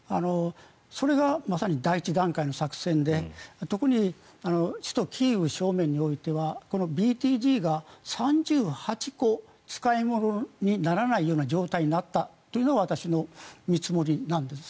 それがまさに第１段階の作戦で特に首都キーウ正面においてはＢＴＧが３８個使い物にならないような状態になったというのが私の見積もりなんです。